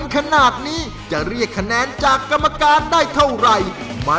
กับแอบแม่นได้ไหม